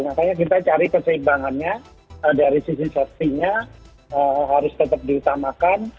makanya kita cari keseimbangannya dari sisi sestinya harus tetap ditamakan